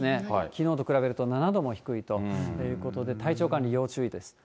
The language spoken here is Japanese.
きのうと比べると７度も低いということで、体調管理、要注意です。